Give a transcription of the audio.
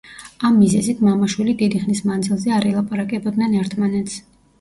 ამ მიზეზით მამა-შვილი დიდი ხნის მანძილზე არ ელაპარაკებოდნენ ერთმანეთს.